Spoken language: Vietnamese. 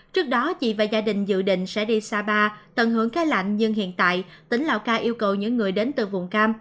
trước đó chị và gia đình dự định sẽ đi sapa tận hưởng cái lạnh nhưng hiện tại tỉnh lào cai yêu cầu những người đến từ vùng cam